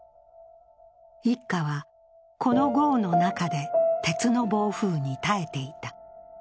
一家は、この壕の中で鉄の暴風に耐えていた。